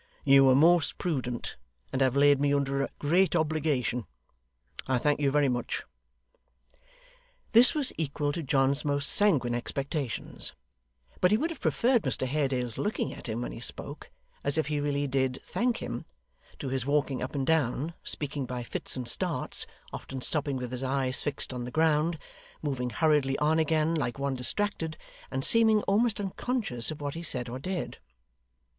You were most prudent, and have laid me under a great obligation. I thank you very much.' This was equal to John's most sanguine expectations; but he would have preferred Mr Haredale's looking at him when he spoke, as if he really did thank him, to his walking up and down, speaking by fits and starts, often stopping with his eyes fixed on the ground, moving hurriedly on again, like one distracted, and seeming almost unconscious of what he said or did.